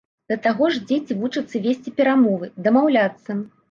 Да таго ж, дзеці вучацца весці перамовы, дамаўляцца.